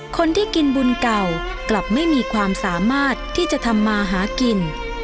คนที่กินบุญเก่ากลับไม่มีความสามารถที่จะทำมาหากิน